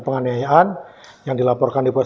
penganiayaan yang dilaporkan oleh